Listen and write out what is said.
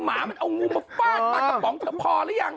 หมามันเอางูมาฟาดปลากระป๋องเธอพอหรือยัง